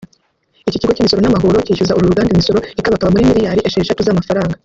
Ikigo cy’imisoro n’amahoro cyishyuza uru ruganda imisoro ikabakaba muri miliyari esheshatu z’amafaranga